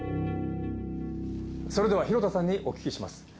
それでは廣田さんにお聞きします。